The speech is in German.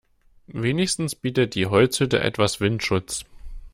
Wenigstens bietet die Holzhütte etwas Windschutz.